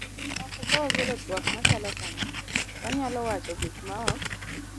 seche moko ka wagolo twak machalo kama, wanyalo wacho gik ma ok